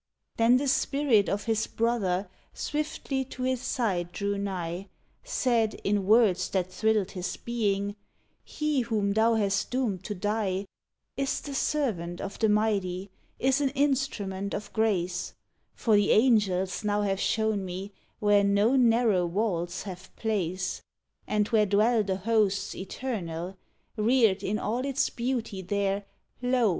Then the spirit of his brother Swiftly to his side drew nigh; Said, in words that thrilled his being, "He whom thou hast doomed to die "Is the servant of the Mighty; Is an instrument of grace, For the angels now have shown me (Where no narrow walls have place "And where dwell the hosts eternal) Reared in all its beauty there, Lo!